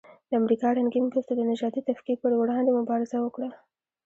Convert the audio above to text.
د امریکا رنګین پوستو د نژادي تفکیک پر وړاندې مبارزه وکړه.